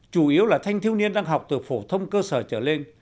chủ yếu là thanh thiếu niên đang học từ phổ thông cơ sở trở lên